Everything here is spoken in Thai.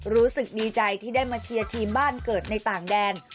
รู้สึกดีใจที่ได้มาเชียร์ทีมบ้านเกิดในต่างแดน